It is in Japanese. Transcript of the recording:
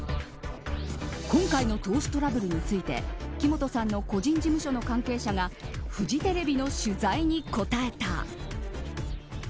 今回の投資トラブルについて木本さんの個人事務所の関係者がフジテレビの取材に答えた。